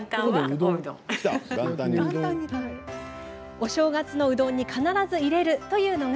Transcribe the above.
お正月のうどんに必ず入れるというのが。